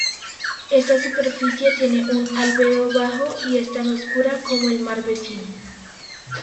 Esta superficie tiene un albedo bajo, y es tan oscura como el mar vecino.